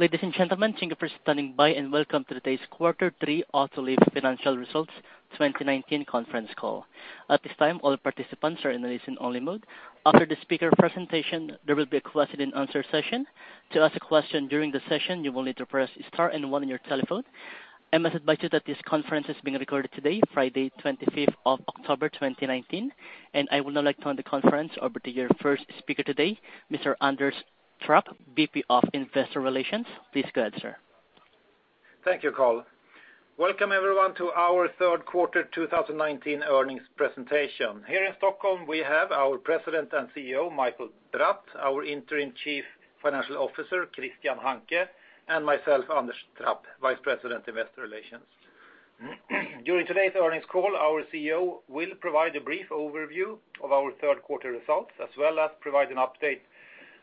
Ladies and gentlemen, thank you for standing by, and welcome to today's Quarter 3 Autoliv Financial Results 2019 conference call. At this time, all participants are in a listen-only mode. After the speaker presentation, there will be a question and answer session. To ask a question during the session, you will need to press star and 1 on your telephone. I must advise you that this conference is being recorded today, Friday, 25th of October, 2019, and I would now like to turn the conference over to your first speaker today, Mr. Anders Trapp, VP of Investor Relations. Please go ahead, sir. Thank you, Cole. Welcome everyone, to our third quarter 2019 earnings presentation. Here in Stockholm, we have our president and CEO, Mikael Bratt, our interim chief financial officer, Christian Hanke, and myself, Anders Trapp, vice president, investor relations. During today's earnings call, our CEO will provide a brief overview of our third quarter results, as well as provide an update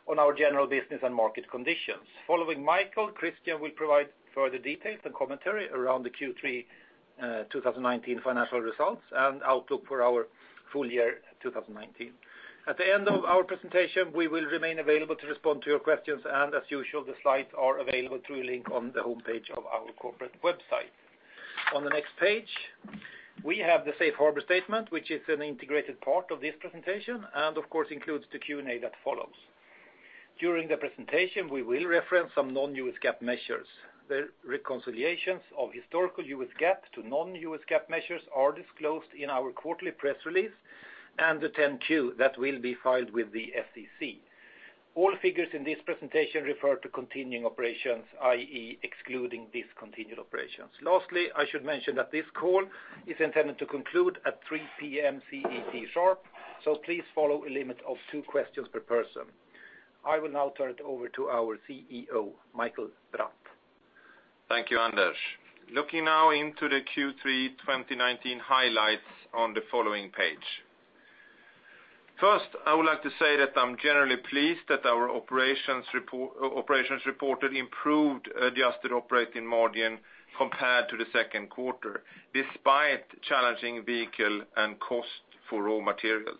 on our general business and market conditions. Following Mikael, Christian will provide further details and commentary around the Q3 2019 financial results and outlook for our full year 2019. At the end of our presentation, we will remain available to respond to your questions. As usual, the slides are available through a link on the homepage of our corporate website. On the next page, we have the safe harbor statement, which is an integrated part of this presentation and, of course, includes the Q&A that follows. During the presentation, we will reference some non-U.S. GAAP measures. The reconciliations of historical U.S. GAAP to non-U.S. GAAP measures are disclosed in our quarterly press release and the 10-Q that will be filed with the SEC. All figures in this presentation refer to continuing operations, i.e., excluding discontinued operations. Lastly, I should mention that this call is intended to conclude at 3:00 P.M. CET sharp, so please follow a limit of two questions per person. I will now turn it over to our CEO, Mikael Bratt. Thank you, Anders. Looking now into the Q3 2019 highlights on the following page. First, I would like to say that I'm generally pleased that our operations reported improved adjusted operating margin compared to the second quarter, despite challenging vehicle and cost for raw materials.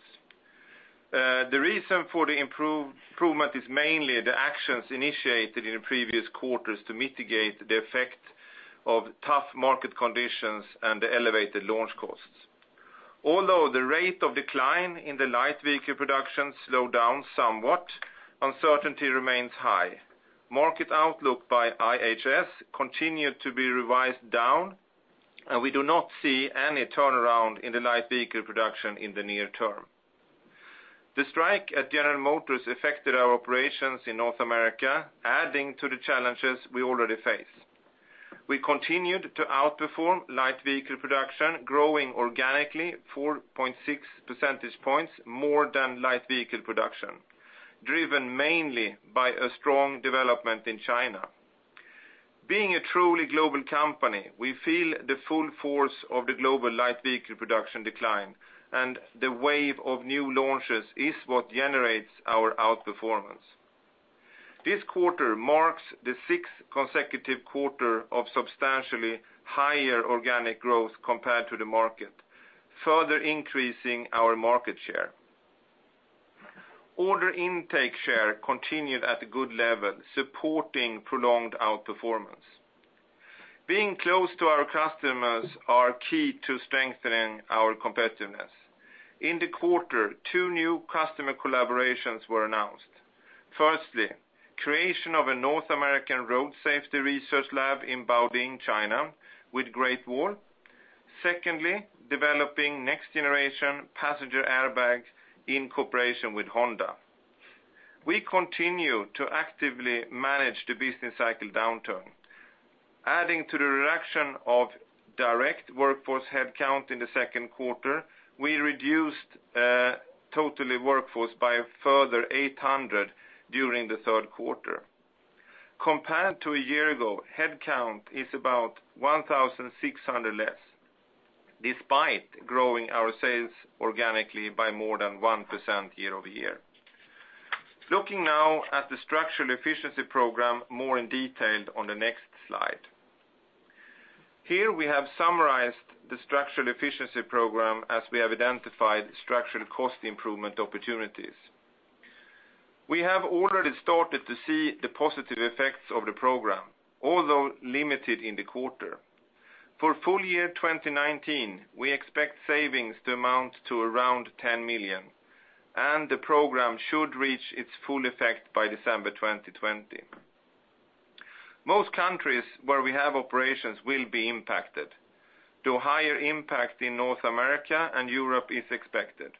The reason for the improvement is mainly the actions initiated in the previous quarters to mitigate the effect of tough market conditions and the elevated launch costs. Although the rate of decline in the light vehicle production slowed down somewhat, uncertainty remains high. Market outlook by IHS continued to be revised down, and we do not see any turnaround in the light vehicle production in the near term. The strike at General Motors affected our operations in North America, adding to the challenges we already face. We continued to outperform light vehicle production, growing organically 4.6 percentage points more than light vehicle production, driven mainly by a strong development in China. Being a truly global company, we feel the full force of the global light vehicle production decline, and the wave of new launches is what generates our outperformance. This quarter marks the sixth consecutive quarter of substantially higher organic growth compared to the market, further increasing our market share. Order intake share continued at a good level, supporting prolonged outperformance. Being close to our customers are key to strengthening our competitiveness. In the quarter, two new customer collaborations were announced. Firstly, creation of a North American road safety research lab in Baoding, China, with Great Wall. Secondly, developing next generation passenger airbags in cooperation with Honda. We continue to actively manage the business cycle downturn. Adding to the reduction of direct workforce headcount in the second quarter, we reduced total workforce by a further 800 during the third quarter. Compared to a year ago, headcount is about 1,600 less, despite growing our sales organically by more than 1% year-over-year. Looking now at the Structural Efficiency Program more in detail on the next slide. Here we have summarized the Structural Efficiency Program as we have identified structural cost improvement opportunities. We have already started to see the positive effects of the program, although limited in the quarter. For full year 2019, we expect savings to amount to around $10 million, and the program should reach its full effect by December 2020. Most countries where we have operations will be impacted, though higher impact in North America and Europe is expected.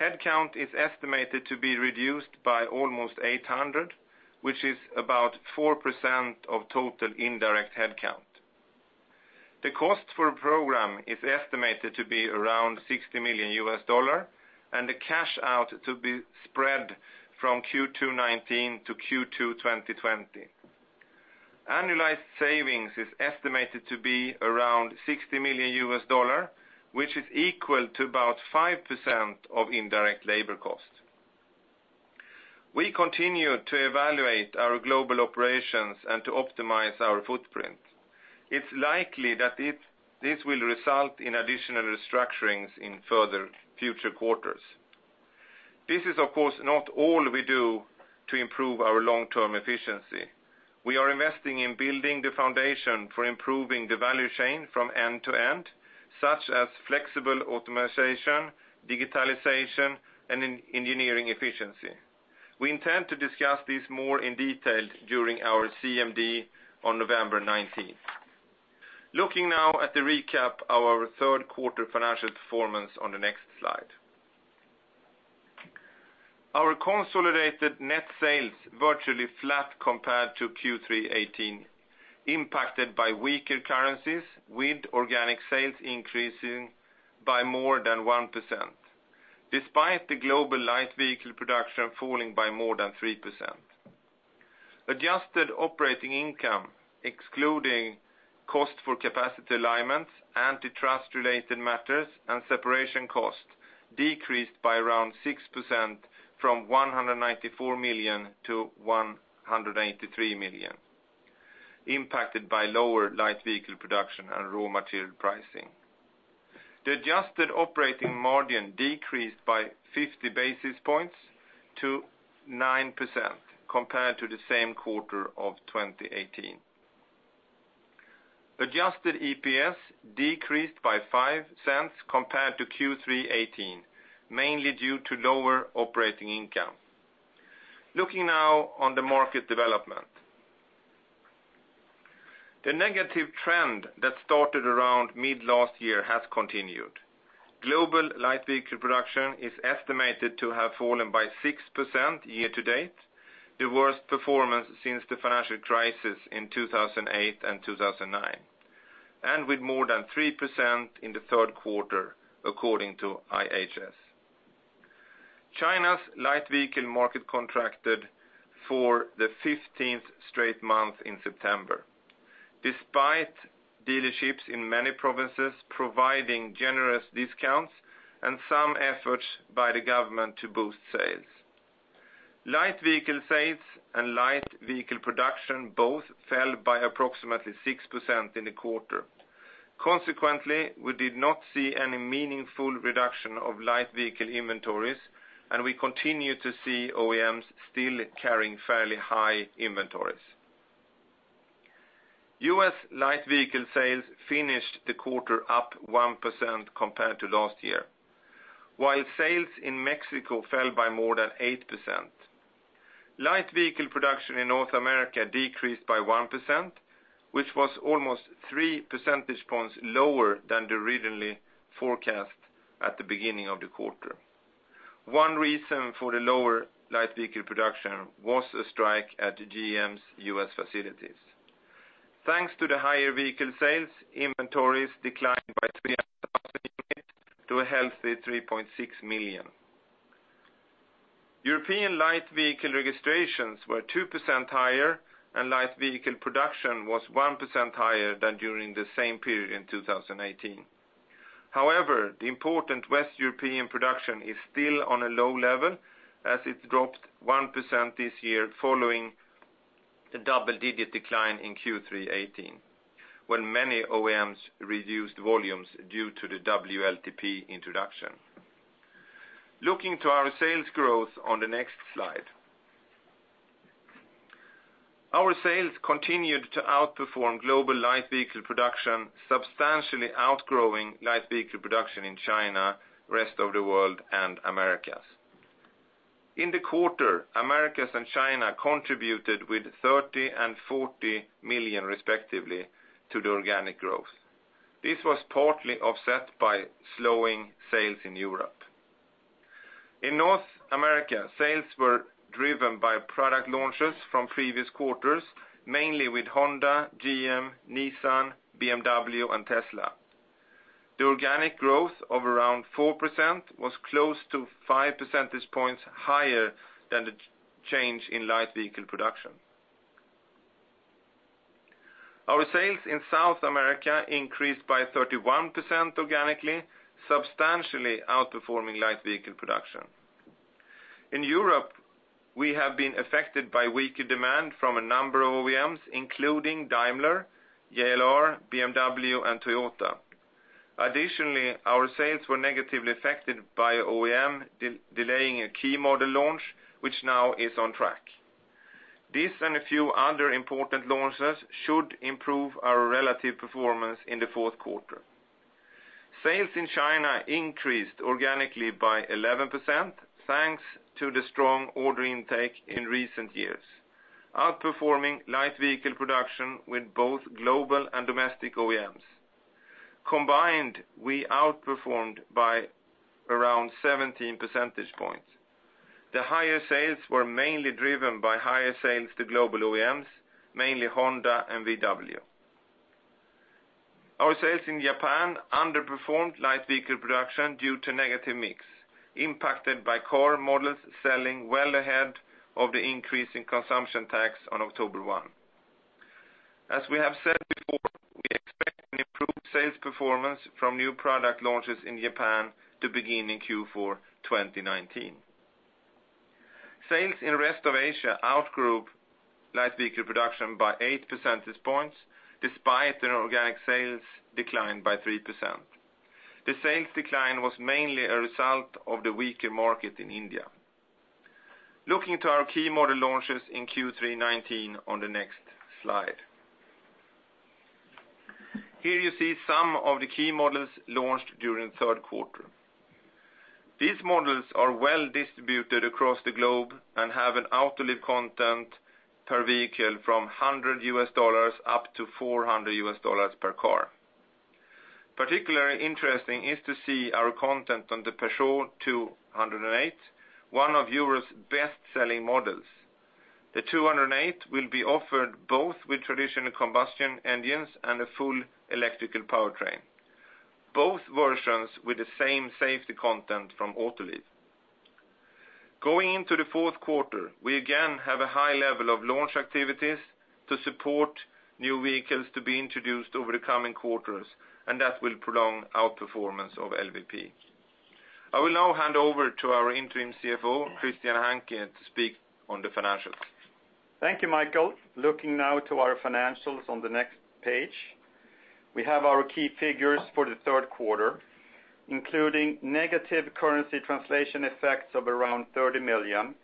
Headcount is estimated to be reduced by almost 800, which is about 4% of total indirect headcount. The cost for a program is estimated to be around $60 million, and the cash out to be spread from Q2 2019 to Q2 2020. Annualized savings is estimated to be around $60 million, which is equal to about 5% of indirect labor cost. We continue to evaluate our global operations and to optimize our footprint. It's likely that this will result in additional restructurings in further future quarters. This is of course not all we do to improve our long-term efficiency. We are investing in building the foundation for improving the value chain from end to end, such as flexible optimization, digitalization, and engineering efficiency. We intend to discuss this more in detail during our CMD on November 19th. Looking now at the recap, our third quarter financial performance on the next slide. Our consolidated net sales virtually flat compared to Q3 2018, impacted by weaker currencies, with organic sales increasing by more than 1%, despite the global light vehicle production falling by more than 3%. Adjusted operating income, excluding cost for capacity alignment, antitrust related matters, and separation cost, decreased by around 6% from $194 million to $183 million, impacted by lower light vehicle production and raw material pricing. The adjusted operating margin decreased by 50 basis points to 9% compared to the same quarter of 2018. Adjusted EPS decreased by $0.05 compared to Q3 2018, mainly due to lower operating income. Looking now on the market development. The negative trend that started around mid-last year has continued. Global light vehicle production is estimated to have fallen by 6% year to date, the worst performance since the financial crisis in 2008 and 2009, and with more than 3% in the third quarter, according to IHS. China's light vehicle market contracted for the 15th straight month in September, despite dealerships in many provinces providing generous discounts and some efforts by the government to boost sales. Light vehicle sales and light vehicle production both fell by approximately 6% in the quarter. Consequently, we did not see any meaningful reduction of light vehicle inventories, and we continue to see OEMs still carrying fairly high inventories. U.S. light vehicle sales finished the quarter up 1% compared to last year, while sales in Mexico fell by more than 8%. Light vehicle production in North America decreased by 1%, which was almost three percentage points lower than the originally forecast at the beginning of the quarter. One reason for the lower light vehicle production was a strike at GM's U.S. facilities. Thanks to the higher vehicle sales, inventories declined by 300,000 units to a healthy 3.6 million. European light vehicle registrations were 2% higher, and light vehicle production was 1% higher than during the same period in 2018. However, the important West European production is still on a low level as it dropped 1% this year following the double-digit decline in Q3 2018, when many OEMs reduced volumes due to the WLTP introduction. Looking to our sales growth on the next slide. Our sales continued to outperform global light vehicle production, substantially outgrowing light vehicle production in China, rest of the world, and Americas. In the quarter, Americas and China contributed with $30 million and $40 million, respectively, to the organic growth. This was partly offset by slowing sales in Europe. In North America, sales were driven by product launches from previous quarters, mainly with Honda, GM, Nissan, BMW, and Tesla. The organic growth of around 4% was close to five percentage points higher than the change in light vehicle production. Our sales in South America increased by 31% organically, substantially outperforming light vehicle production. In Europe, we have been affected by weaker demand from a number of OEMs, including Daimler, JLR, BMW, and Toyota. Additionally, our sales were negatively affected by OEM delaying a key model launch, which now is on track. This and a few other important launches should improve our relative performance in the fourth quarter. Sales in China increased organically by 11%, thanks to the strong order intake in recent years, outperforming light vehicle production with both global and domestic OEMs. Combined, we outperformed by around 17 percentage points. The higher sales were mainly driven by higher sales to global OEMs, mainly Honda and VW. Our sales in Japan underperformed light vehicle production due to negative mix, impacted by core models selling well ahead of the increase in consumption tax on October 1. As we have said before, we expect an improved sales performance from new product launches in Japan to begin in Q4 2019. Sales in rest of Asia outgrew light vehicle production by eight percentage points, despite their organic sales declined by 3%. The sales decline was mainly a result of the weaker market in India. Looking to our key model launches in Q3 2019 on the next slide. Here you see some of the key models launched during the third quarter. These models are well distributed across the globe and have an Autoliv content per vehicle from $100 up to $400 per car. Particularly interesting is to see our content on the Peugeot 208, one of Europe's best-selling models. The 208 will be offered both with traditional combustion engines and a full electrical powertrain, both versions with the same safety content from Autoliv. Going into the fourth quarter, we again have a high level of launch activities to support new vehicles to be introduced over the coming quarters. That will prolong our performance of LVP. I will now hand over to our interim CFO, Christian Hanke, to speak on the financials. Thank you, Mikael. Looking now to our financials on the next page. We have our key figures for the third quarter, including negative currency translation effects of around 30 million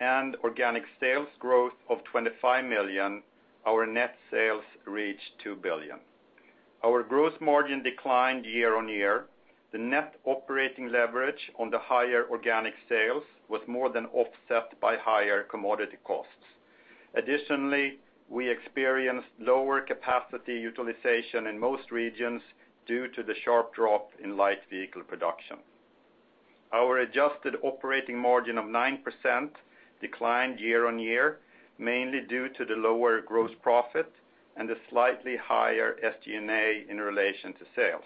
and organic sales growth of 25 million, our net sales reached 2 billion. Our growth margin declined year-over-year. The net operating leverage on the higher organic sales was more than offset by higher commodity costs. Additionally, we experienced lower capacity utilization in most regions due to the sharp drop in light vehicle production. Our adjusted operating margin of 9% declined year-over-year, mainly due to the lower gross profit and the slightly higher SGA in relation to sales.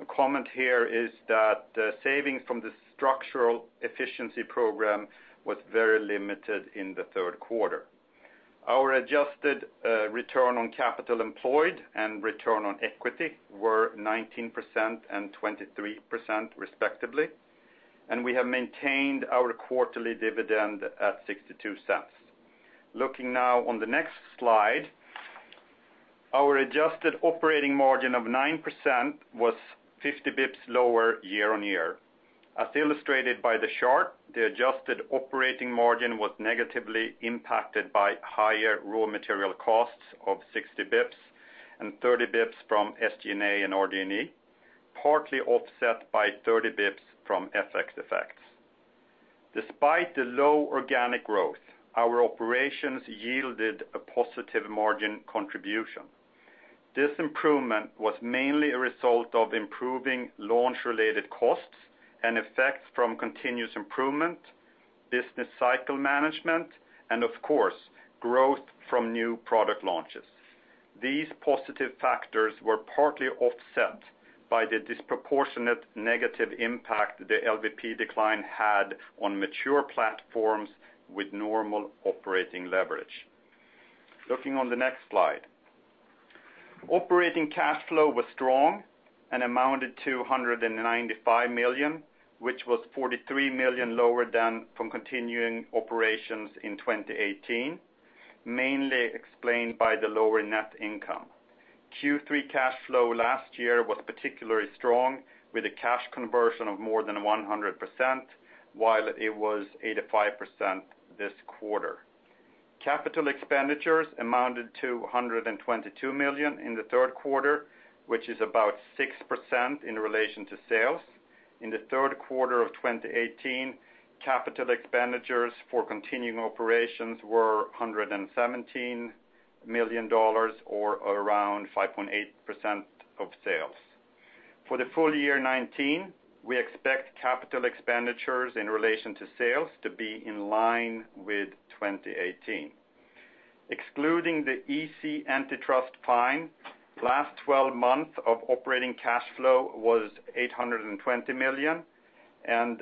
A comment here is that the savings from the structural efficiency program was very limited in the third quarter. Our adjusted return on capital employed and return on equity were 19% and 23%, respectively, and we have maintained our quarterly dividend at $0.62. Looking now on the next slide. Our adjusted operating margin of 9% was 50 basis points lower year-on-year. As illustrated by the chart, the adjusted operating margin was negatively impacted by higher raw material costs of 60 basis points and 30 basis points from SG&A and RD&E, partly offset by 30 basis points from FX effects. Despite the low organic growth, our operations yielded a positive margin contribution. This improvement was mainly a result of improving launch-related costs and effects from continuous improvement, business cycle management, and of course, growth from new product launches. These positive factors were partly offset by the disproportionate negative impact the LVP decline had on mature platforms with normal operating leverage. Looking on the next slide. Operating cash flow was strong and amounted to $195 million, which was $43 million lower than from continuing operations in 2018, mainly explained by the lower net income. Q3 cash flow last year was particularly strong with a cash conversion of more than 100%, while it was 85% this quarter. Capital expenditures amounted to $122 million in the third quarter, which is about 6% in relation to sales. In the third quarter of 2018, capital expenditures for continuing operations were $117 million, or around 5.8% of sales. For the full year 2019, we expect capital expenditures in relation to sales to be in line with 2018. Excluding the EC antitrust fine, last 12 months of operating cash flow was $820 million, and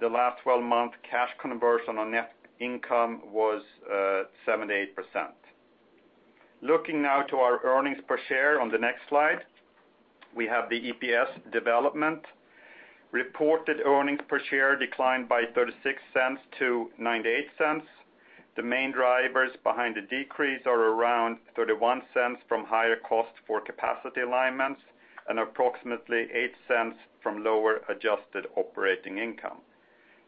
the last 12 month cash conversion on net income was 78%. Looking now to our earnings per share on the next slide. We have the EPS development. Reported earnings per share declined by $0.36 to $0.98. The main drivers behind the decrease are around $0.31 from higher cost for capacity alignments and approximately $0.08 from lower adjusted operating income.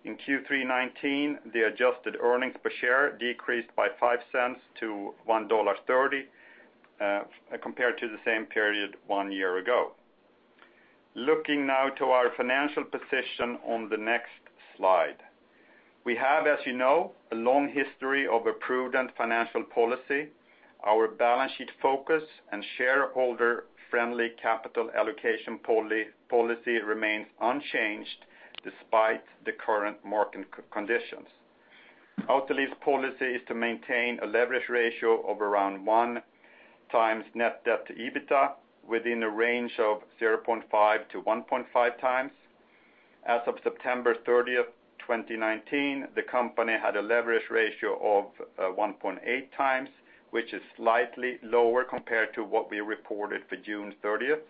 In Q3 2019, the adjusted earnings per share decreased by $0.05 to $1.30 compared to the same period one year ago. Looking now to our financial position on the next slide. We have, as you know, a long history of a prudent financial policy. Our balance sheet focus and shareholder-friendly capital allocation policy remains unchanged despite the current market conditions. Autoliv's policy is to maintain a leverage ratio of around one times net debt to EBITDA within a range of 0.5 to 1.5 times. As of September 30th, 2019, the company had a leverage ratio of 1.8 times, which is slightly lower compared to what we reported for June 30th.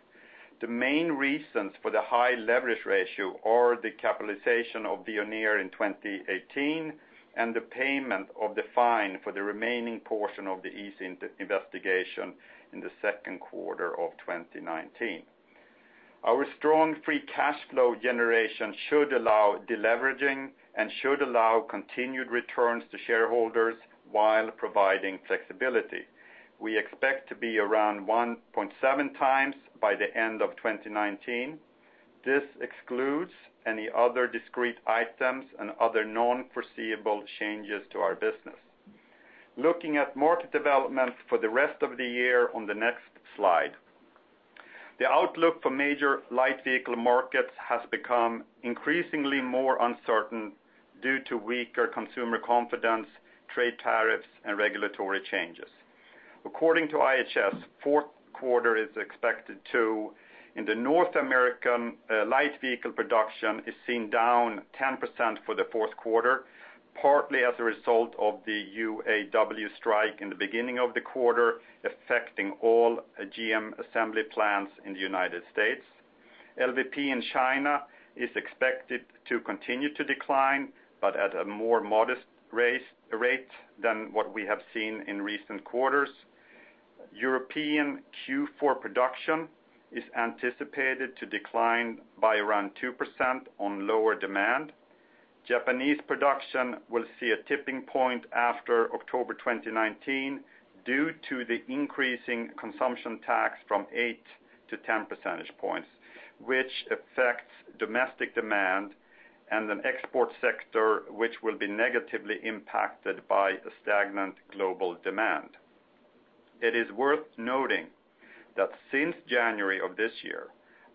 The main reasons for the high leverage ratio are the capitalization of Veoneer in 2018, and the payment of the fine for the remaining portion of the EC investigation in the second quarter of 2019. Our strong free cash flow generation should allow deleveraging and should allow continued returns to shareholders while providing flexibility. We expect to be around 1.7 times by the end of 2019. This excludes any other discrete items and other non-foreseeable changes to our business. Looking at market development for the rest of the year on the next slide. The outlook for major light vehicle markets has become increasingly more uncertain due to weaker consumer confidence, trade tariffs, and regulatory changes. According to IHS, in the North American light vehicle production, is seen down 10% for the fourth quarter, partly as a result of the UAW strike in the beginning of the quarter, affecting all GM assembly plants in the United States. LVP in China is expected to continue to decline, but at a more modest rate than what we have seen in recent quarters. European Q4 production is anticipated to decline by around 2% on lower demand. Japanese production will see a tipping point after October 2019 due to the increasing consumption tax from eight to 10 percentage points, which affects domestic demand and an export sector which will be negatively impacted by the stagnant global demand. It is worth noting that since January of this year,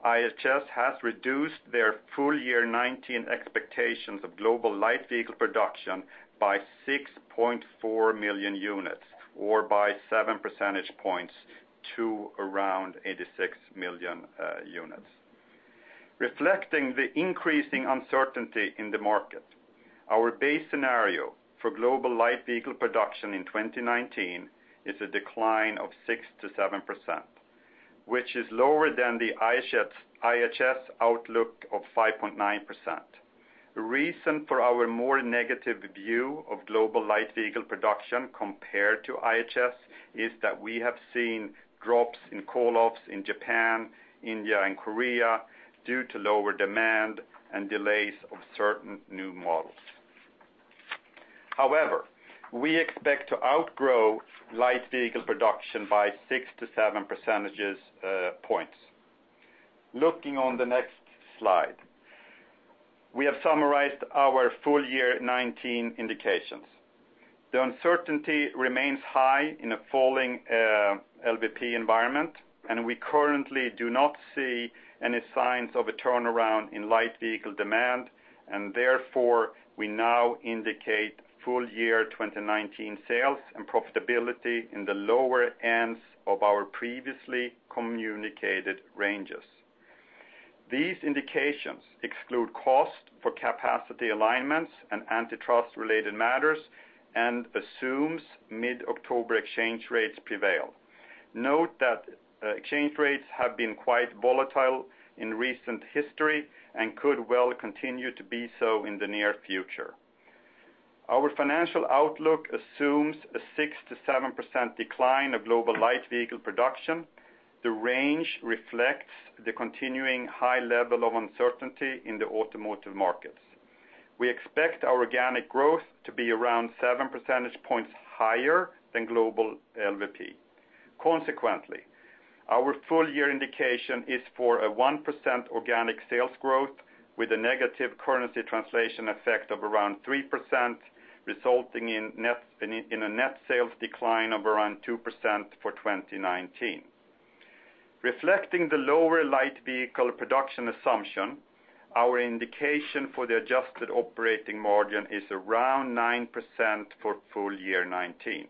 IHS has reduced their full year 2019 expectations of global light vehicle production by 6.4 million units or by 7 percentage points to around 86 million units. Reflecting the increasing uncertainty in the market, our base scenario for global light vehicle production in 2019 is a decline of 6%-7%, which is lower than the IHS outlook of 5.9%. The reason for our more negative view of global light vehicle production compared to IHS is that we have seen drops in call-offs in Japan, India, and Korea due to lower demand and delays of certain new models. We expect to outgrow light vehicle production by 6 to 7 percentage points. Looking on the next slide. We have summarized our full year 2019 indications. The uncertainty remains high in a falling LVP environment, and we currently do not see any signs of a turnaround in light vehicle demand, and therefore, we now indicate full year 2019 sales and profitability in the lower ends of our previously communicated ranges. These indications exclude cost for capacity alignments and antitrust related matters and assumes mid-October exchange rates prevail. Note that exchange rates have been quite volatile in recent history and could well continue to be so in the near future. Our financial outlook assumes a 6%-7% decline of global light vehicle production. The range reflects the continuing high level of uncertainty in the automotive markets. We expect our organic growth to be around 7 percentage points higher than global LVP. Consequently, our full year indication is for a 1% organic sales growth with a negative currency translation effect of around 3%, resulting in a net sales decline of around 2% for 2019. Reflecting the lower light vehicle production assumption, our indication for the adjusted operating margin is around 9% for full year 2019.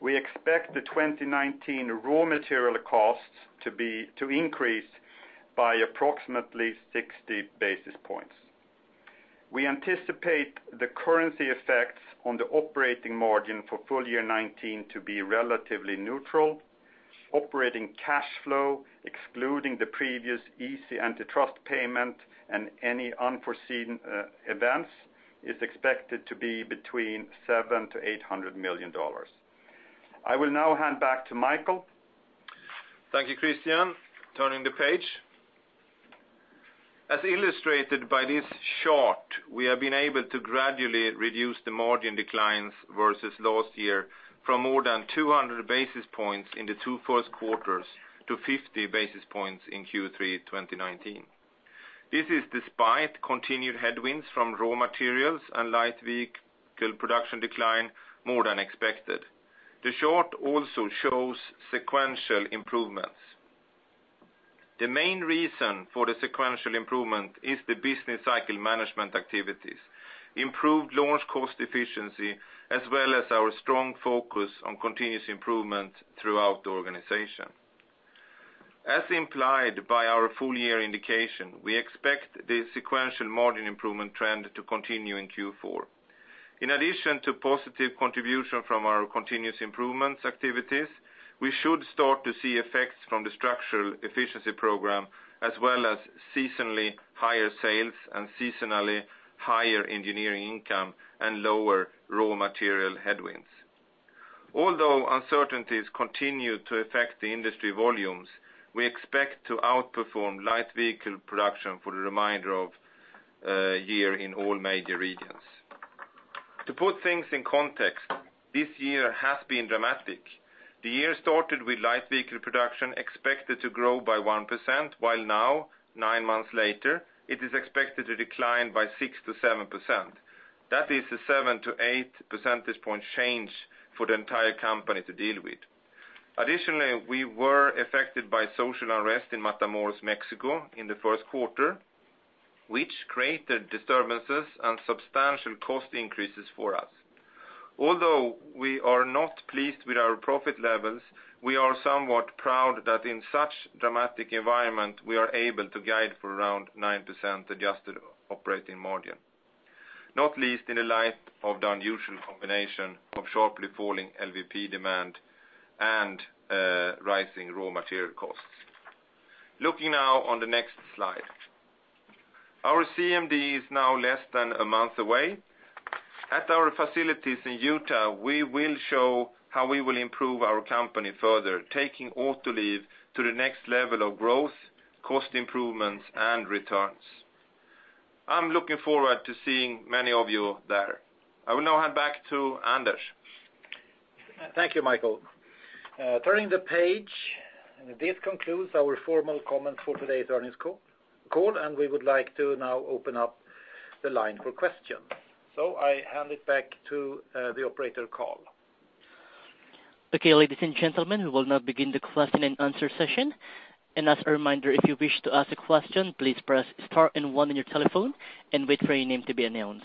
We expect the 2019 raw material costs to increase by approximately 60 basis points. We anticipate the currency effects on the operating margin for full year 2019 to be relatively neutral. Operating cash flow, excluding the previous EC antitrust payment and any unforeseen events, is expected to be between $700 million-$800 million. I will now hand back to Mikael. Thank you, Christian. Turning the page. As illustrated by this chart, we have been able to gradually reduce the margin declines versus last year from more than 200 basis points in the two first quarters to 50 basis points in Q3 2019. This is despite continued headwinds from raw materials and light vehicle production decline more than expected. The chart also shows sequential improvements. The main reason for the sequential improvement is the business cycle management activities, improved launch cost efficiency, as well as our strong focus on continuous improvement throughout the organization. As implied by our full year indication, we expect the sequential margin improvement trend to continue in Q4. In addition to positive contribution from our continuous improvements activities, we should start to see effects from the structural efficiency program, as well as seasonally higher sales and seasonally higher engineering income and lower raw material headwinds. Although uncertainties continue to affect the industry volumes, we expect to outperform light vehicle production for the remainder of year in all major regions. To put things in context, this year has been dramatic. The year started with light vehicle production expected to grow by 1%, while now, nine months later, it is expected to decline by 6% to 7%. That is a seven to eight percentage point change for the entire company to deal with. Additionally, we were affected by social unrest in Matamoros, Mexico, in the first quarter, which created disturbances and substantial cost increases for us. Although we are not pleased with our profit levels, we are somewhat proud that in such dramatic environment, we are able to guide for around 9% adjusted operating margin, not least in the light of the unusual combination of sharply falling LVP demand and rising raw material costs. Looking now on the next slide. Our CMD is now less than a month away. At our facilities in Utah, we will show how we will improve our company further, taking Autoliv to the next level of growth, cost improvements, and returns. I'm looking forward to seeing many of you there. I will now hand back to Anders. Thank you, Mikael. Turning the page, this concludes our formal comments for today's earnings call, and we would like to now open up the line for questions. I hand it back to the operator, Cole. Okay, ladies and gentlemen, we will now begin the question and answer session. As a reminder, if you wish to ask a question, please press Star and One on your telephone and wait for your name to be announced.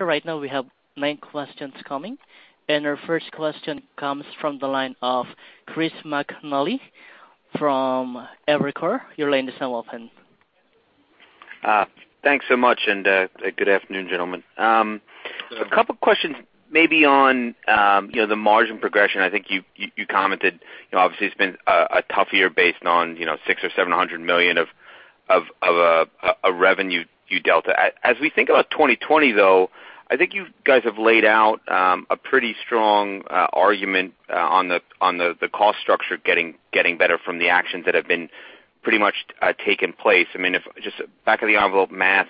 Right now we have nine questions coming. Our first question comes from the line of Chris McNally from Evercore. Your line is now open. Thanks so much, and good afternoon, gentlemen. Good afternoon. A couple questions maybe on the margin progression. I think you commented, obviously it's been a tough year based on $600 million or $700 million of a revenue delta. As we think about 2020, though, I think you guys have laid out a pretty strong argument on the cost structure getting better from the actions that have been pretty much taken place. Just back of the envelope math,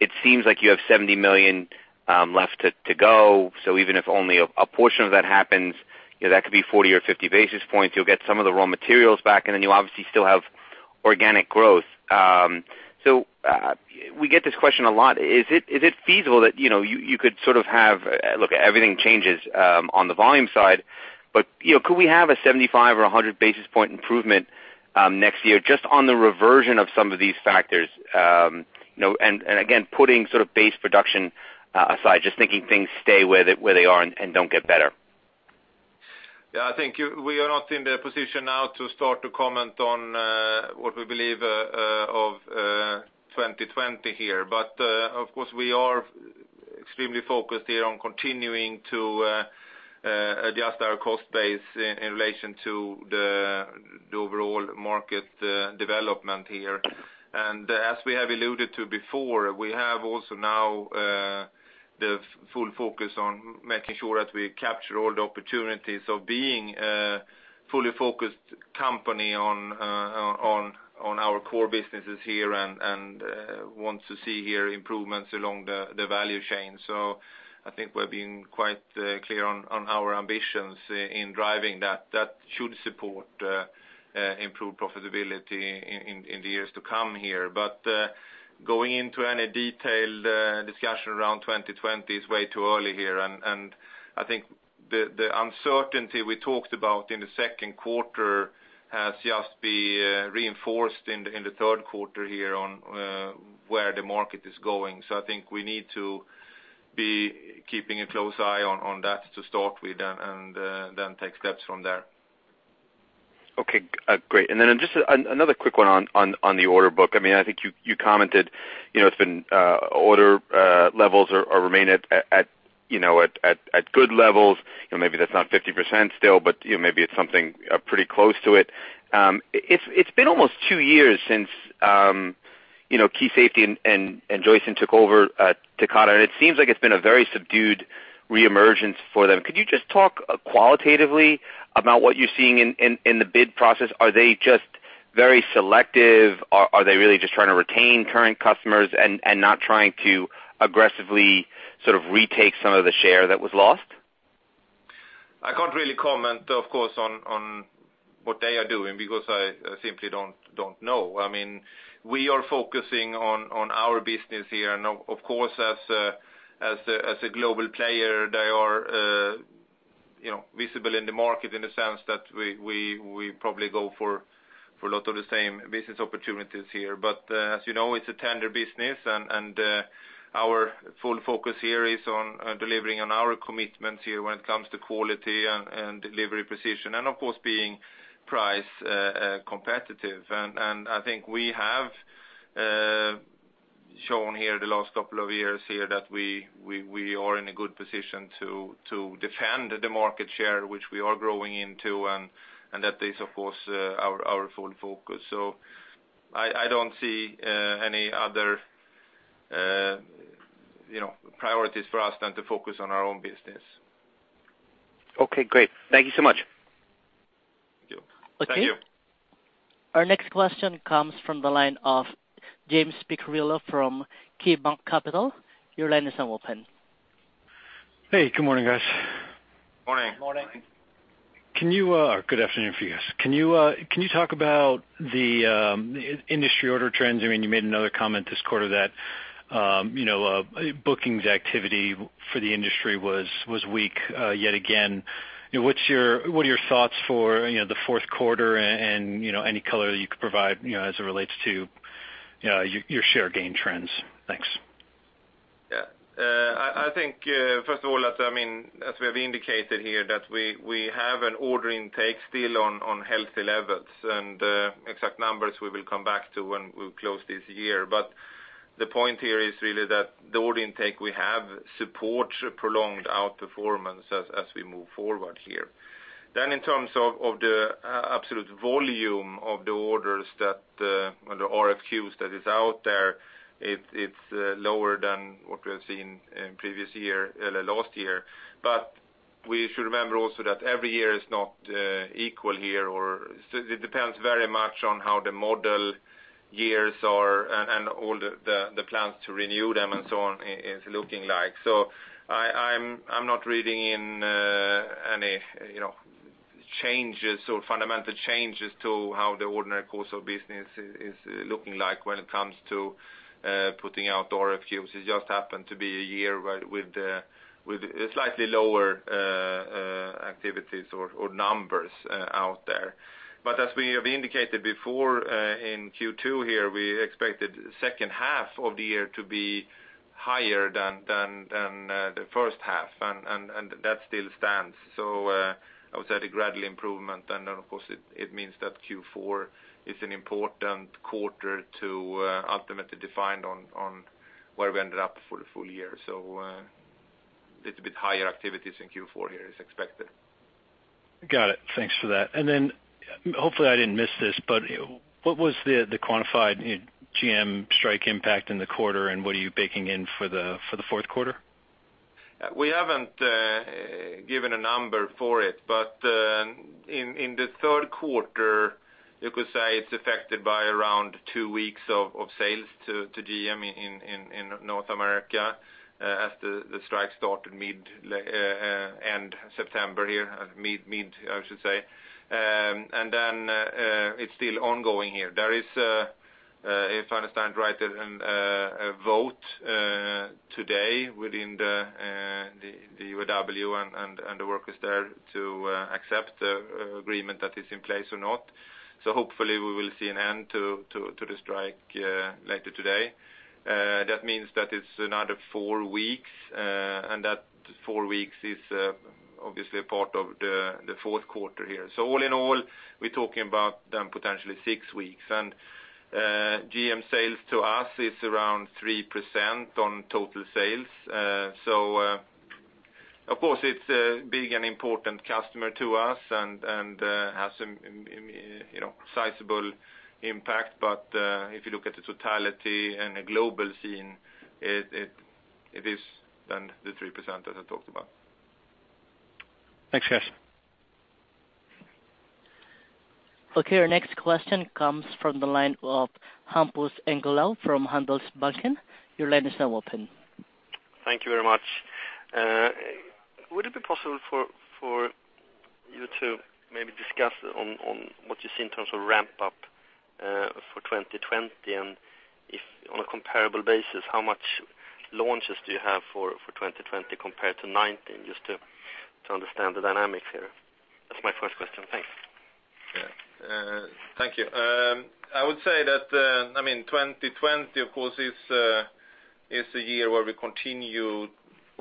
it seems like you have $70 million left to go. So even if only a portion of that happens, that could be 40 or 50 basis points. You'll get some of the raw materials back, and then you obviously still have organic growth. So we get this question a lot. Is it feasible that you could sort of look, everything changes on the volume side, but could we have a 75 or 100 basis point improvement next year just on the reversion of some of these factors? Again, putting sort of base production aside, just thinking things stay where they are and don't get better. I think we are not in the position now to start to comment on what we believe of 2020 here. Of course, we are extremely focused here on continuing to adjust our cost base in relation to the overall market development here. As we have alluded to before, we have also now the full focus on making sure that we capture all the opportunities of being a fully focused company on our core businesses here and want to see here improvements along the value chain. I think we're being quite clear on our ambitions in driving that. That should support improved profitability in the years to come here. Going into any detailed discussion around 2020 is way too early here. I think the uncertainty we talked about in the second quarter has just been reinforced in the third quarter here on where the market is going. I think we need to be keeping a close eye on that to start with and then take steps from there. Okay, great. Just another quick one on the order book. I think you commented order levels remain at good levels. Maybe that's not 50% still, but maybe it's something pretty close to it. It's been almost two years since Key Safety and Joyson took over Takata, and it seems like it's been a very subdued reemergence for them. Could you just talk qualitatively about what you're seeing in the bid process? Are they just very selective? Are they really just trying to retain current customers and not trying to aggressively sort of retake some of the share that was lost? I can't really comment, of course, on what they are doing because I simply don't know. We are focusing on our business here, and of course, as a global player, they are visible in the market in the sense that we probably go for a lot of the same business opportunities here. As you know, it's a tender business, and our full focus here is on delivering on our commitments here when it comes to quality and delivery precision, and of course, being price competitive. I think we have shown here the last couple of years that we are in a good position to defend the market share, which we are growing into, and that is, of course, our full focus. I don't see any other priorities for us than to focus on our own business. Okay, great. Thank you so much. Thank you. Okay. Our next question comes from the line of James Picariello from KeyBanc Capital. Your line is now open. Hey, good morning, guys. Morning. Morning. Good afternoon for you guys. Can you talk about the industry order trends? You made another comment this quarter that bookings activity for the industry was weak yet again. What are your thoughts for the fourth quarter and any color that you could provide as it relates to your share gain trends? Thanks. I think, first of all, as we have indicated here, that we have an order intake still on healthy levels. Exact numbers we will come back to when we close this year. The point here is really that the order intake we have supports prolonged outperformance as we move forward here. In terms of the absolute volume of the orders, the RFQs that is out there, it's lower than what we have seen previous year, last year. We should remember also that every year is not equal here, or it depends very much on how the model years are and all the plans to renew them and so on is looking like. I'm not reading in any changes or fundamental changes to how the ordinary course of business is looking like when it comes to putting out RFQs. It just happened to be a year with slightly lower activities or numbers out there. As we have indicated before in Q2 here, we expected the second half of the year to be higher than the first half, and that still stands. I would say the gradual improvement, and then of course, it means that Q4 is an important quarter to ultimately define on where we ended up for the full year. A little bit higher activities in Q4 here is expected. Got it. Thanks for that. Hopefully I didn't miss this, but what was the quantified GM strike impact in the quarter, and what are you baking in for the fourth quarter? We haven't given a number for it. In the third quarter, you could say it's affected by around two weeks of sales to GM in North America, as the strike started end September here. Mid, I should say. It's still ongoing here. There is, if I understand right, a vote today within the UAW and the workers there to accept the agreement that is in place or not. Hopefully we will see an end to the strike later today. That means that it's another four weeks. That four weeks is obviously a part of the fourth quarter here. All in all, we're talking about then potentially six weeks. GM sales to us is around 3% on total sales. Of course, it's a big and important customer to us and has some sizable impact. If you look at the totality in a global scene, it is then the 3% as I talked about. Thanks, guys. Okay, our next question comes from the line of Hampus Engellau from Handelsbanken. Your line is now open. Thank you very much. Would it be possible for you to maybe discuss on what you see in terms of ramp up for 2020? If on a comparable basis, how much launches do you have for 2020 compared to 2019, just to understand the dynamics here? That's my first question. Thanks. Yeah. Thank you. I would say that 2020, of course, is a year where we continue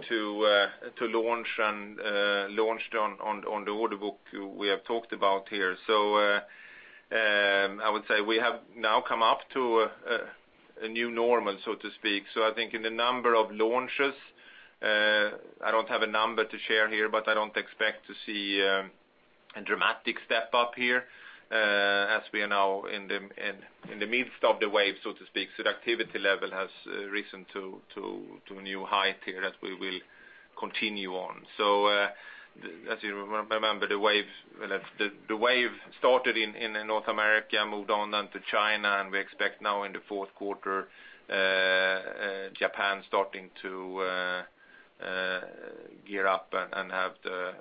to launch on the order book we have talked about here. I would say we have now come up to a new normal, so to speak. I think in the number of launches, I don't have a number to share here, but I don't expect to see a dramatic step up here as we are now in the midst of the wave, so to speak. The activity level has risen to a new height here that we will continue on. As you remember, the wave started in North America, moved on then to China, and we expect now in the fourth quarter, Japan starting to gear up and have the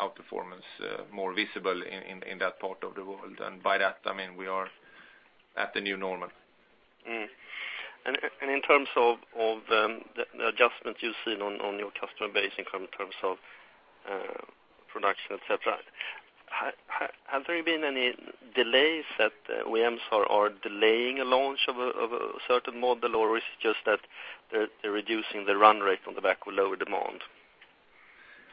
outperformance more visible in that part of the world. By that, I mean we are at the new normal. In terms of the adjustments you've seen on your customer base in terms of production, et cetera, have there been any delays that OEMs are delaying a launch of a certain model, or is it just that they're reducing the run rate on the back of lower demand?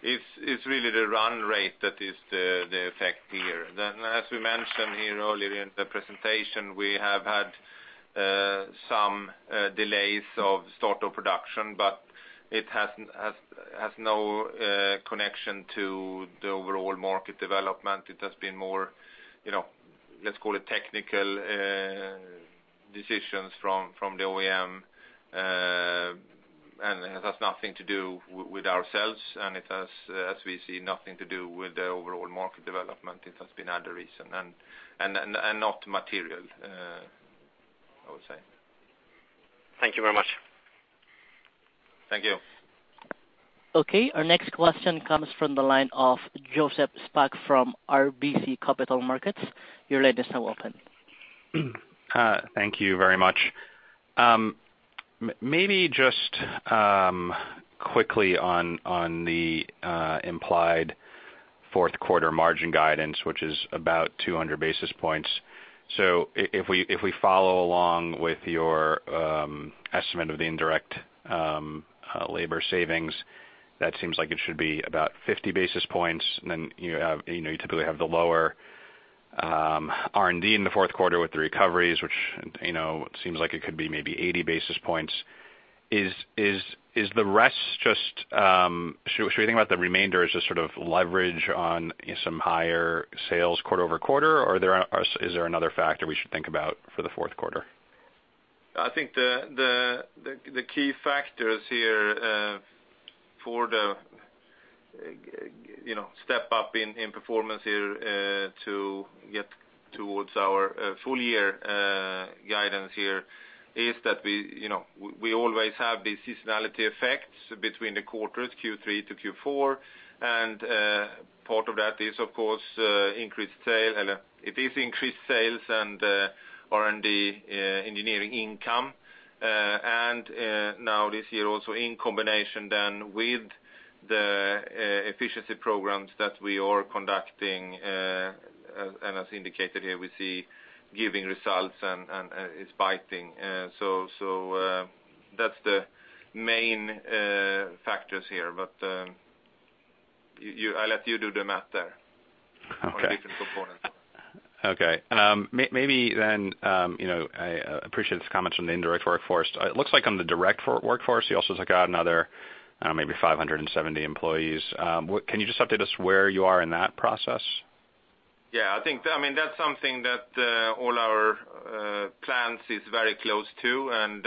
It's really the run rate that is the effect here. As we mentioned here earlier in the presentation, we have had some delays of start of production, but it has no connection to the overall market development. It has been more, let's call it technical decisions from the OEM, and it has nothing to do with ourselves, and it has, as we see, nothing to do with the overall market development. It has been another reason, and not material, I would say. Thank you very much. Thank you. Our next question comes from the line of Joseph Spak from RBC Capital Markets. Your line is now open. Thank you very much. Just quickly on the implied fourth quarter margin guidance, which is about 200 basis points. If we follow along with your estimate of the indirect labor savings, that seems like it should be about 50 basis points, and then you typically have the lower R&D in the fourth quarter with the recoveries, which seems like it could be maybe 80 basis points. Should we think about the remainder as just sort of leverage on some higher sales quarter-over-quarter, or is there another factor we should think about for the fourth quarter? I think the key factors here for the step up in performance here to get towards our full year guidance here is that we always have the seasonality effects between the quarters, Q3 to Q4, and part of that it is increased sales and RD&E income. Now this year also in combination then with the efficiency programs that we are conducting, and as indicated here, we see giving results and is biting. That's the main factors here, but I'll let you do the math there. Okay on the different components. Okay. Maybe, I appreciate the comments on the indirect workforce. It looks like on the direct workforce, you also took out another maybe 570 employees. Can you just update us where you are in that process? That's something that all our plants is very close to, and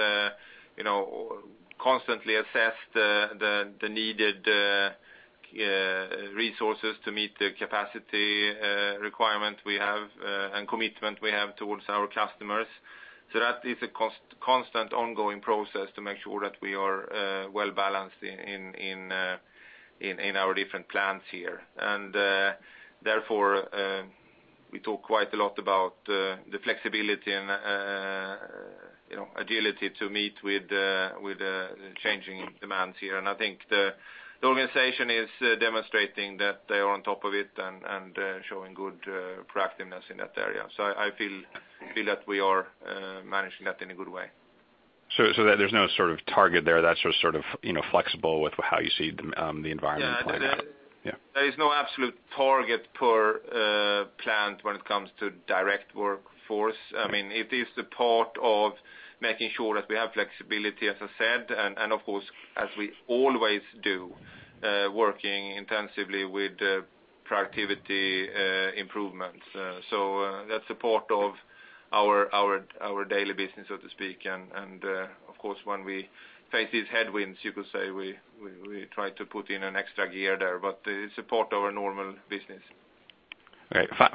constantly assess the needed resources to meet the capacity requirement we have, and commitment we have towards our customers. That is a constant ongoing process to make sure that we are well-balanced in our different plants here. Therefore, we talk quite a lot about the flexibility and agility to meet with the changing demands here. I think the organization is demonstrating that they are on top of it and showing good proactiveness in that area. I feel that we are managing that in a good way. There's no sort of target there, that's just sort of flexible with how you see the environment playing out? Yeah. Yeah. There is no absolute target per plant when it comes to direct workforce. It is the part of making sure that we have flexibility, as I said, and of course, as we always do, working intensively with productivity improvements. That's a part of our daily business, so to speak. Of course, when we face these headwinds, you could say, we try to put in an extra gear there, but it's a part of our normal business.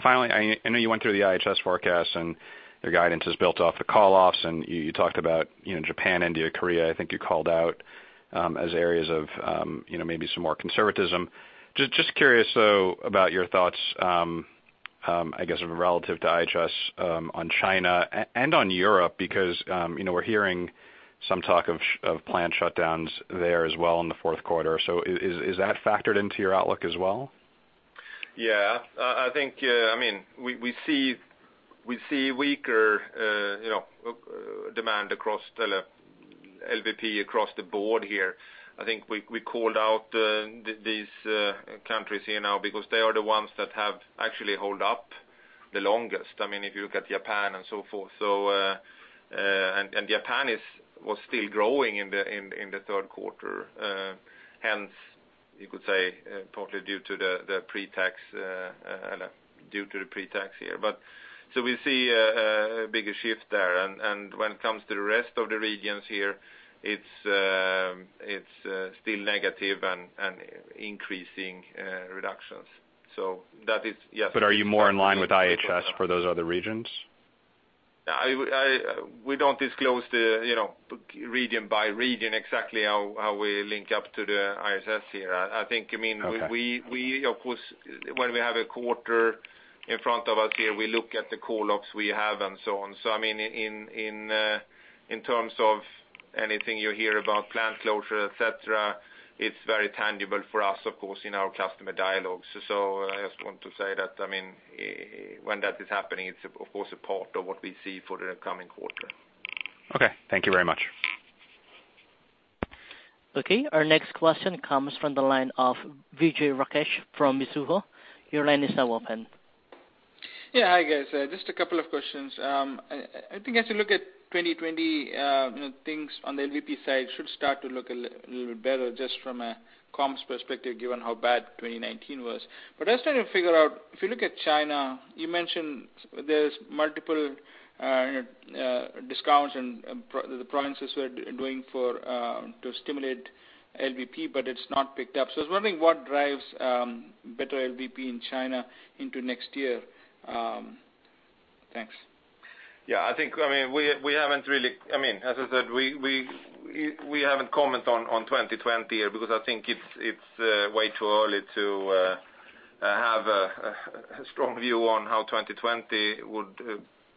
Finally, I know you went through the IHS forecast, and your guidance is built off the call-offs, and you talked about Japan, India, Korea, I think you called out, as areas of maybe some more conservatism. Just curious, though, about your thoughts, I guess, relative to IHS on China and on Europe, because we're hearing some talk of plant shutdowns there as well in the fourth quarter. Is that factored into your outlook as well? Yeah. We see weaker LVP across the board here. I think we called out these countries here now because they are the ones that have actually hold up the longest. If you look at Japan and so forth. Japan was still growing in the third quarter. Hence, you could say partly due to the pre-tax here. We see a bigger shift there. When it comes to the rest of the regions here, it's still negative and increasing reductions. Are you more in line with IHS for those other regions? We don't disclose the region by region exactly how we link up to the IHS here. Okay. Of course, when we have a quarter in front of us here, we look at the call-offs we have and so on. In terms of anything you hear about plant closure, et cetera, it's very tangible for us, of course, in our customer dialogues. I just want to say that when that is happening, it's of course a part of what we see for the coming quarter. Okay. Thank you very much. Okay. Our next question comes from the line of Vijay Rakesh from Mizuho. Your line is now open. Yeah. Hi, guys. Just a couple of questions. I think as you look at 2020, things on the LVP side should start to look a little bit better just from a comps perspective, given how bad 2019 was. I was trying to figure out, if you look at China, you mentioned there's multiple discounts, and the provinces were doing to stimulate LVP, but it's not picked up. I was wondering what drives better LVP in China into next year. Thanks. Yeah. As I said, we haven't comment on 2020 yet, because I think it's way too early to have a strong view on how 2020 would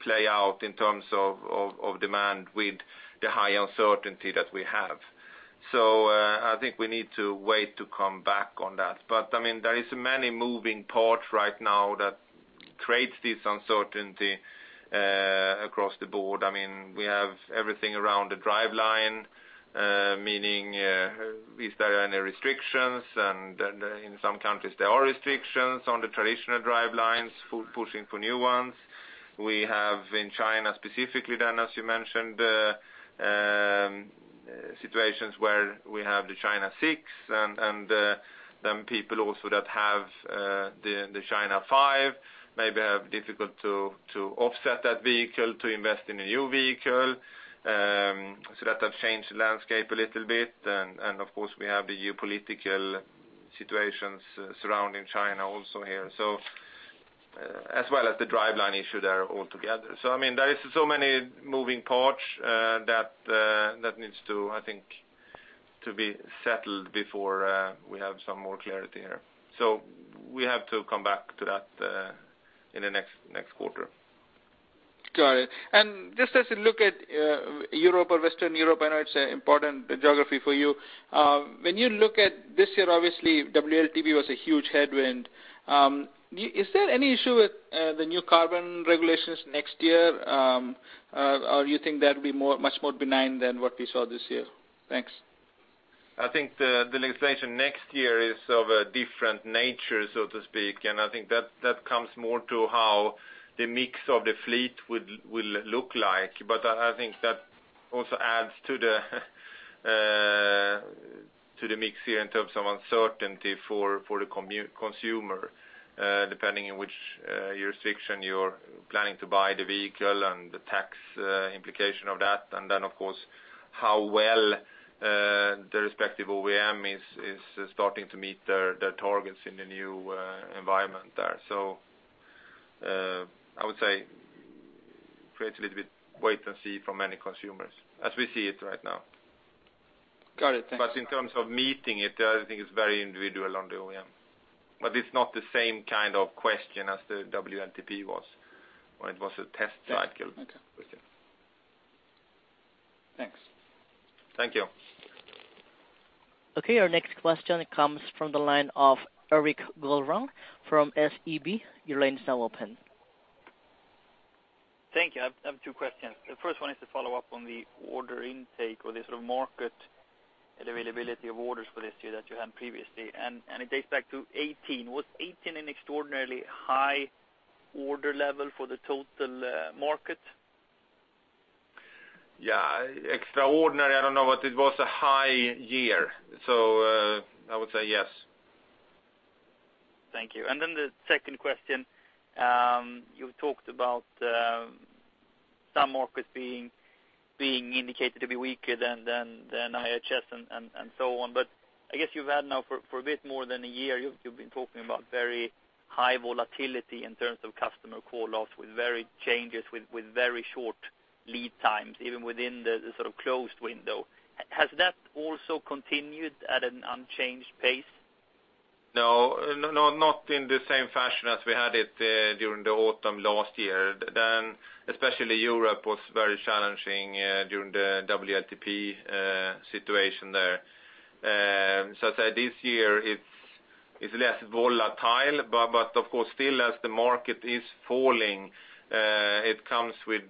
play out in terms of demand with the high uncertainty that we have. I think we need to wait to come back on that. There is many moving parts right now that creates this uncertainty across the board. We have everything around the driveline, meaning if there are any restrictions, and in some countries there are restrictions on the traditional drivelines, pushing for new ones. We have in China specifically then, as you mentioned, situations where we have the China 6, and then people also that have the China 5 maybe have difficult to offset that vehicle to invest in a new vehicle. That has changed the landscape a little bit. Of course, we have the geopolitical situations surrounding China also here. As well as the driveline issue there altogether. There is so many moving parts that needs to, I think, be settled before we have some more clarity here. We have to come back to that in the next quarter. Got it. Just as a look at Europe or Western Europe, I know it's an important geography for you. When you look at this year, obviously WLTP was a huge headwind. Is there any issue with the new carbon regulations next year? You think that'll be much more benign than what we saw this year? Thanks. I think the legislation next year is of a different nature, so to speak, and I think that comes more to how the mix of the fleet will look like. I think that also adds to the mix here in terms of uncertainty for the consumer, depending on which jurisdiction you're planning to buy the vehicle and the tax implication of that. Then, of course, how well the respective OEM is starting to meet their targets in the new environment there. I would say creates a little bit wait and see from many consumers, as we see it right now. Got it. Thank you. In terms of meeting it, I think it's very individual on the OEM. It's not the same kind of question as the WLTP was, where it was a test cycle question. Thanks. Thank you. Okay. Our next question comes from the line of Erik Golrang from SEB. Your line is now open. Thank you. I have two questions. The first one is to follow up on the order intake or the sort of market availability of orders for this year that you had previously. It dates back to 2018. Was 2018 an extraordinarily high order level for the total market? Yeah. Extraordinary, I don't know, but it was a high year. I would say yes. Thank you. The second question. You talked about some markets being indicated to be weaker than IHS and so on. I guess you've had now for a bit more than a year, you've been talking about very high volatility in terms of customer call-offs with changes with very short lead times, even within the sort of closed window. Has that also continued at an unchanged pace? Not in the same fashion as we had it during the autumn last year. Especially Europe was very challenging during the WLTP situation there. I'd say this year it's less volatile. Of course, still as the market is falling, it comes with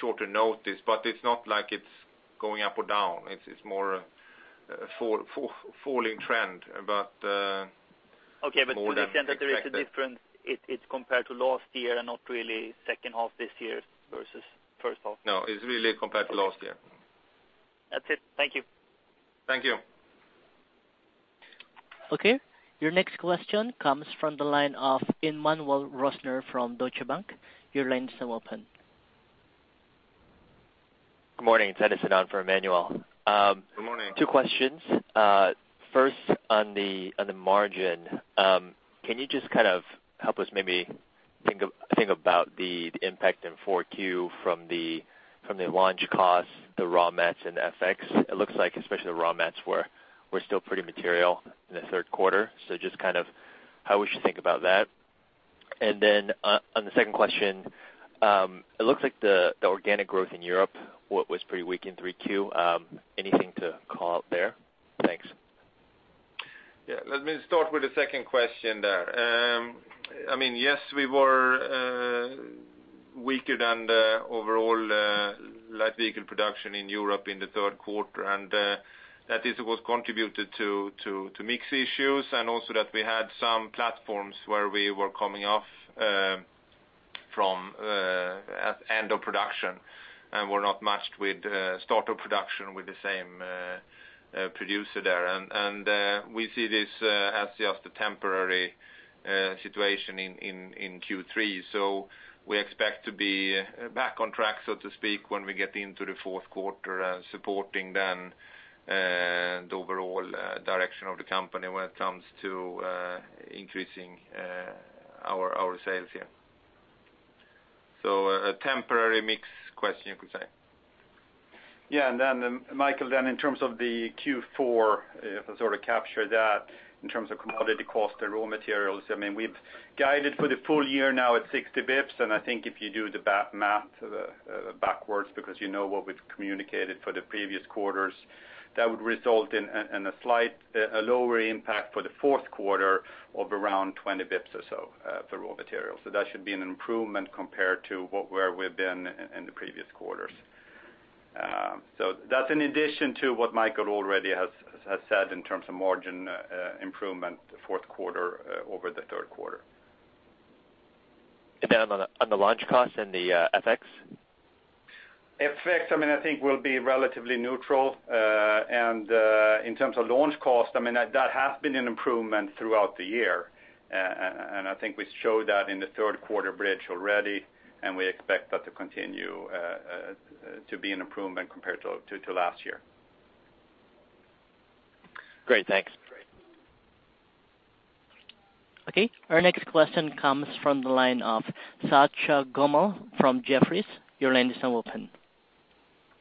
shorter notice. It's not like it's going up or down. It's more a falling trend, but more than expected. Okay. To the extent that there is a difference, it's compared to last year and not really second half this year versus first half? No, it's really compared to last year. That's it. Thank you. Thank you. Okay. Your next question comes from the line of Emmanuel Rosner from Deutsche Bank. Your line's now open. Good morning. It's Edison on for Emmanuel. Good morning. Two questions. First on the margin. Can you just kind of help us maybe think about the impact in 4Q from the launch costs, the raw mats, and FX? It looks like especially the raw mats were still pretty material in the third quarter. Just kind of how we should think about that. On the second question, it looks like the organic growth in Europe was pretty weak in 3Q. Anything to call out there? Yeah. Let me start with the second question there. Yes, we were weaker than the overall light vehicle production in Europe in the third quarter. That this was contributed to mix issues, and also that we had some platforms where we were coming off from end of production, and were not matched with start of production with the same producer there. We see this as just a temporary situation in Q3. We expect to be back on track, so to speak, when we get into the fourth quarter, supporting then the overall direction of the company when it comes to increasing our sales here. A temporary mix question, you could say. Yeah. Mikael, then in terms of the Q4, if I sort of capture that in terms of commodity cost and raw materials, we've guided for the full year now at 60 basis points. I think if you do the math backwards, because you know what we've communicated for the previous quarters, that would result in a slight lower impact for the fourth quarter of around 20 basis points or so for raw materials. That should be an improvement compared to where we've been in the previous quarters. That's in addition to what Mikael already has said in terms of margin improvement fourth quarter over the third quarter. On the launch cost and the FX? FX, I think will be relatively neutral. In terms of launch cost, that has been an improvement throughout the year. I think we showed that in the third quarter bridge already, and we expect that to continue to be an improvement compared to last year. Great. Thanks. Great. Okay. Our next question comes from the line of Satya Gummalla from Jefferies. Your line is now open.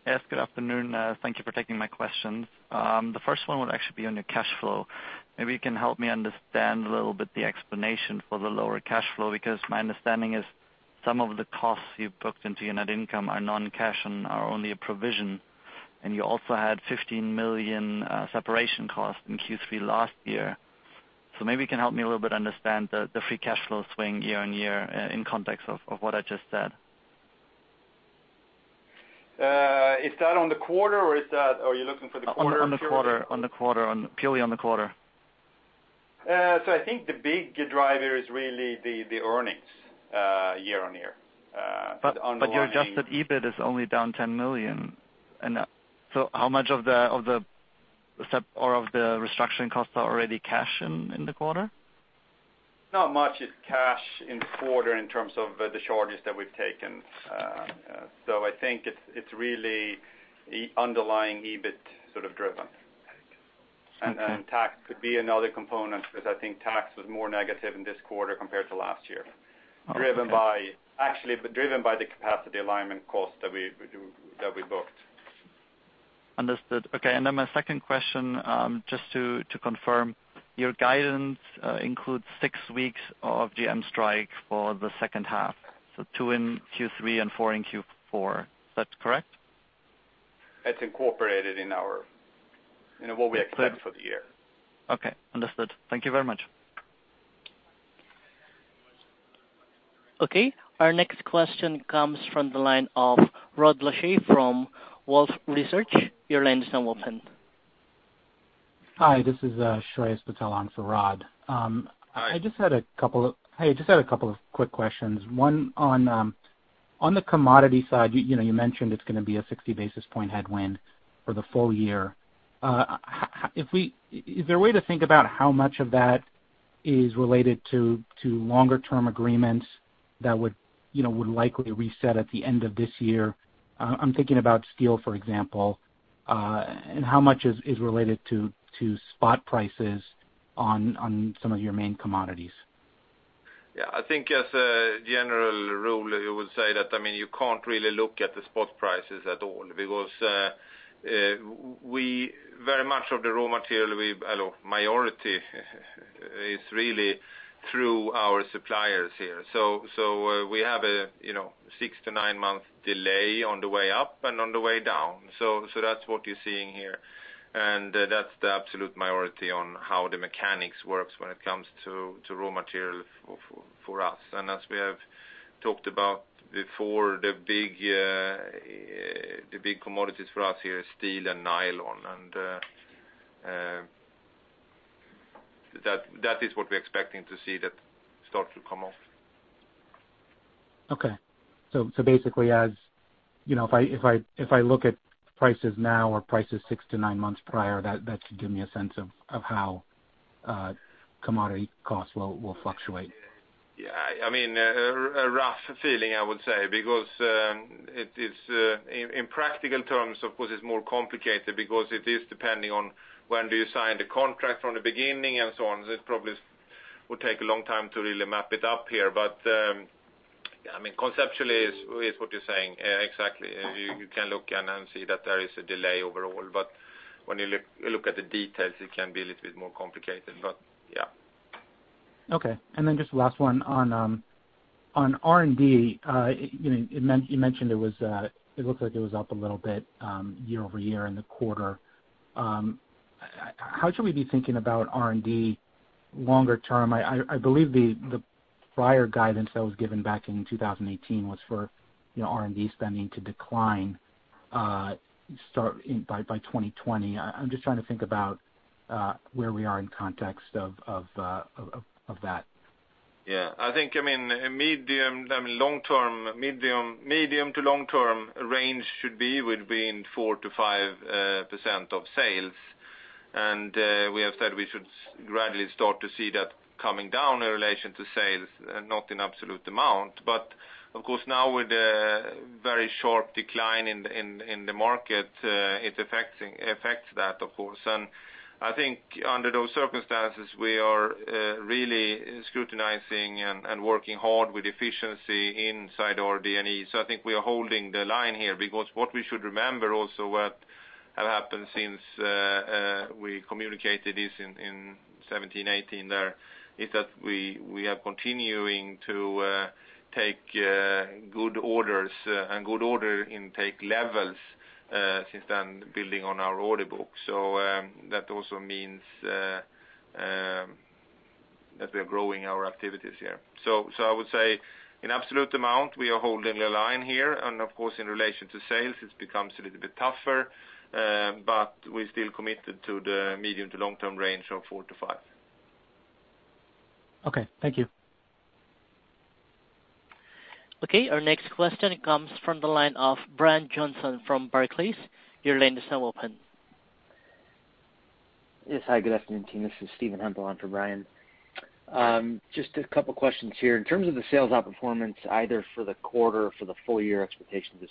Yes, good afternoon. Thank you for taking my questions. The first one would actually be on your cash flow. Maybe you can help me understand a little bit the explanation for the lower cash flow, because my understanding is some of the costs you've booked into your net income are non-cash and are only a provision, and you also had $15 million separation cost in Q3 last year. Maybe you can help me a little bit understand the free cash flow swing year-over-year in context of what I just said. Is that on the quarter, or are you looking for the quarter? On the quarter. Purely on the quarter. I think the big driver is really the earnings year-on-year. Your adjusted EBIT is only down $10 million. How much of the restructuring costs are already cash in the quarter? Not much is cash in the quarter in terms of the charges that we've taken. I think it's really underlying EBIT sort of driven. Okay. Tax could be another component, because I think tax was more negative in this quarter compared to last year. Okay. Actually driven by the capacity alignment cost that we booked. Understood. Okay. My second question, just to confirm, your guidance includes six weeks of GM strike for the second half. So two in Q3 and four in Q4. Is that correct? It's incorporated in what we expect for the year. Okay. Understood. Thank you very much. Okay, our next question comes from the line of Rod Lache from Wolfe Research. Your line is now open. Hi, this is Shreyas Patel on for Rod. I just had a couple of quick questions. One on the commodity side, you mentioned it's going to be a 60 basis point headwind for the full year. Is there a way to think about how much of that is related to longer term agreements that would likely reset at the end of this year? I'm thinking about steel, for example, and how much is related to spot prices on some of your main commodities. I think as a general rule, you would say that you can't really look at the spot prices at all because very much of the raw material, majority is really through our suppliers here. We have a six to nine-month delay on the way up and on the way down. That's what you're seeing here. That's the absolute majority on how the mechanics works when it comes to raw material for us. As we have talked about before, the big commodities for us here is steel and nylon, and that is what we're expecting to see that start to come off. Basically, if I look at prices now or prices six to nine months prior, that should give me a sense of how commodity costs will fluctuate. Yeah. A rough feeling, I would say, because in practical terms, of course, it's more complicated because it is depending on when do you sign the contract from the beginning and so on. It probably would take a long time to really map it up here. Conceptually, it's what you're saying exactly. You can look and see that there is a delay overall, but when you look at the details, it can be a little bit more complicated. Okay. Just the last one on R&D. You mentioned it looked like it was up a little bit year-over-year in the quarter. How should we be thinking about R&D longer term? I believe the prior guidance that was given back in 2018 was for R&D spending to decline by 2020. I am just trying to think about where we are in context of that. I think, medium to long term range should be within 4%-5% of sales. We have said we should gradually start to see that coming down in relation to sales, not in absolute amount. Of course now with the very short decline in the market, it affects that of course. I think under those circumstances, we are really scrutinizing and working hard with efficiency inside our D&E. I think we are holding the line here because what we should remember also what have happened since we communicated this in 2017, 2018 there, is that we are continuing to take good orders and good order intake levels, since then building on our order book. That also means that we're growing our activities here. I would say in absolute amount, we are holding the line here and of course in relation to sales it becomes a little bit tougher, but we're still committed to the medium to long term range of 4%-5%. Okay. Thank you. Okay, our next question comes from the line of Brian Johnson from Barclays. Your line is now open. Yes. Hi, good afternoon team. This is Steven Hempel on for Brian. Just a couple questions here. In terms of the sales outperformance either for the quarter or for the full year expectations of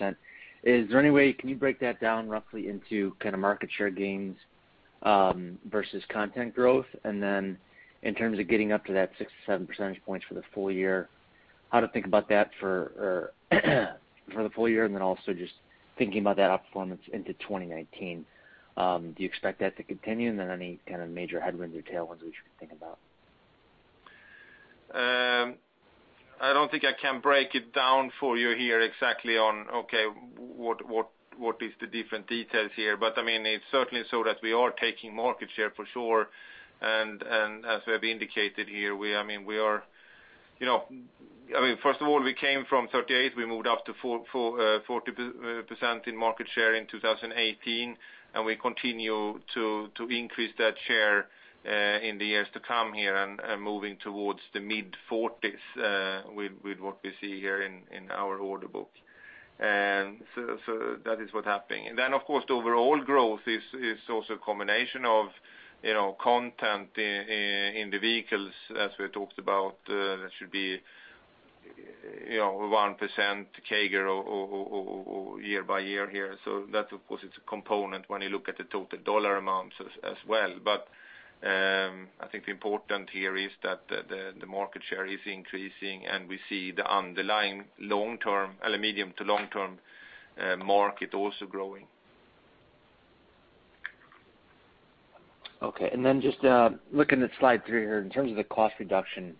6%-7%, is there any way, can you break that down roughly into kind of market share gains, versus content growth? In terms of getting up to that six to seven percentage points for the full year, how to think about that for the full year and then also just thinking about that outperformance into 2019. Do you expect that to continue and then any kind of major headwinds or tailwinds we should think about? I don't think I can break it down for you here exactly on, okay, what is the different details here. It's certainly so that we are taking market share for sure and as we have indicated here, first of all, we came from 38, we moved up to 40% in market share in 2018, and we continue to increase that share, in the years to come here and moving towards the mid-40s, with what we see here in our order book. That is what's happening. Of course the overall growth is also a combination of content in the vehicles as we talked about, that should be 1% CAGR or year by year here. That of course is a component when you look at the total dollar amounts as well. I think the important here is that the market share is increasing, and we see the underlying medium to long term market also growing. Okay. Just looking at slide three here, in terms of the cost reduction,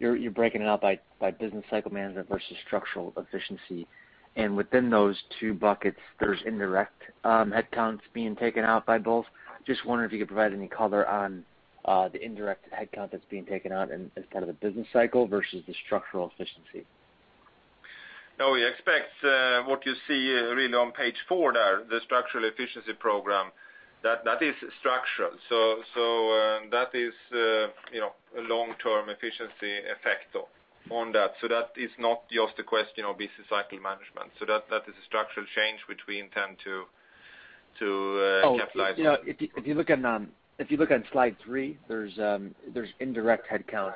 you're breaking it out by business cycle management versus structural efficiency. Within those two buckets, there's indirect headcounts being taken out by both. Just wondering if you could provide any color on the indirect headcount that's being taken on in terms of the business cycle versus the structural efficiency. No, we expect what you see really on page four there, the structural efficiency program, that is structural. That is a long-term efficiency effect on that. That is not just a question of business cycle management. That is a structural change which we intend to capitalize on. If you look on slide three, there's indirect headcount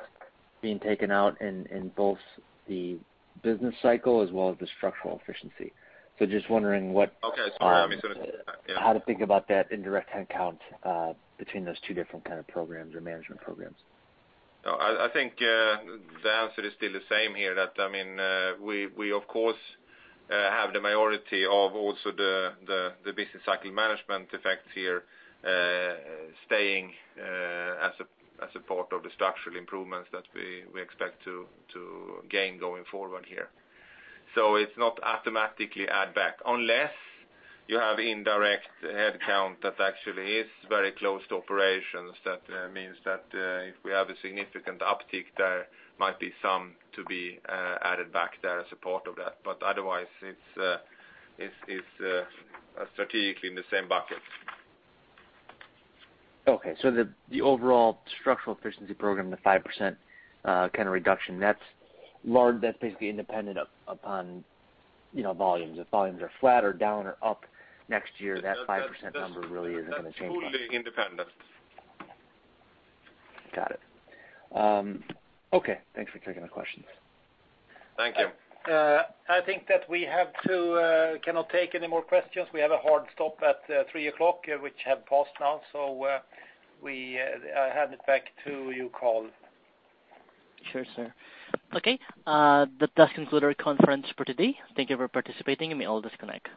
being taken out in both the business cycle as well as the structural efficiency. Okay. Sorry. How to think about that indirect headcount between those two different kind of programs or management programs? I think the answer is still the same here, that we of course have the majority of also the business cycle management effects here staying as a part of the structural improvements that we expect to gain going forward here. It's not automatically add back unless you have indirect headcount that actually is very close to operations. That means that if we have a significant uptick, there might be some to be added back there as a part of that. Otherwise it's strategically in the same bucket. Okay. The overall structural efficiency program, the 5% kind of reduction, that's basically independent upon volumes. If volumes are flat or down or up next year, that 5% number really isn't going to change. That's truly independent. Got it. Okay. Thanks for taking the questions. Thank you. I think that we cannot take any more questions. We have a hard stop at three o'clock, which have passed now. I hand it back to you, Cole. Sure, sir. Okay. That does conclude our conference for today. Thank you for participating, and you may all disconnect.